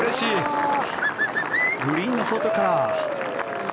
グリーンの外から。